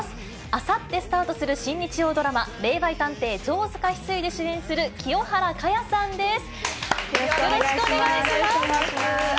あさってスタートする新日曜ドラマ、霊媒探偵・城塚翡翠で主演する清原果耶さんです。